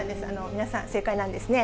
皆さん、正解なんですね。